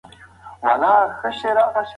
استقامت د ټولو خنډونو په وړاندې مقابله ممکنوي.